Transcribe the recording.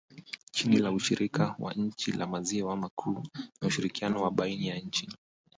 chini ya ushirika wa nchi za maziwa makuu na ushirikiano wa baina ya nchi